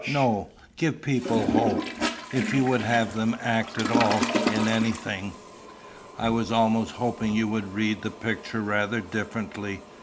No; give people hope, if you would have them act at all, in anything." "I was almost hoping you would read the picture rather differently.